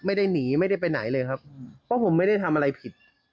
ไม่ได้หนีไม่ได้ไปไหนเลยครับเพราะผมไม่ได้ทำอะไรผิด